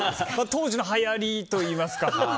当時のはやりといいますか。